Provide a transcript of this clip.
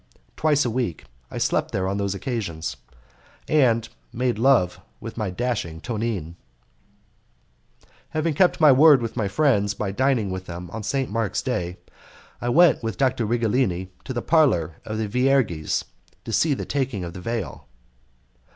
twice a week I slept there on those occasions, and made love with my dashing Tonine. Having kept my word with my friends by dining with them on St. Mark's Day, I went with Dr. Righelini to the parlour of the Vierges to see the taking of the veil.